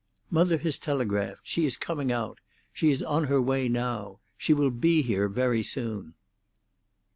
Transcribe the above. "Mother has telegraphed. She is coming out. She is on her way now. She will be here very soon."